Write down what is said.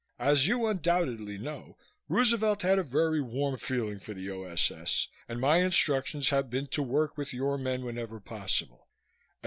As you undoubtedly know, Roosevelt had a very warm feeling for the O.S.S. and my instructions have been to work with your men whenever possible.